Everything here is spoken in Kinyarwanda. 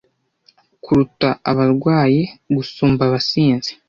kuruta abarwanyi gusumba abasizi